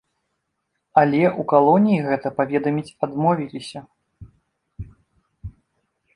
Але ў калоніі гэта паведаміць адмовіліся.